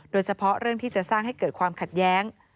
โดยเฉพาะเรื่องที่จะสร้างให้เกิดความขัดแย้ง